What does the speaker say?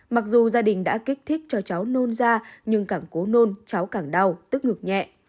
mặc dù gia đình đã kích thích cho cháu nôn da nhưng càng cố nôn cháu càng đau tức ngực nhẹ